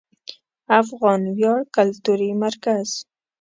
افغان ویاړ کلتوري مرکز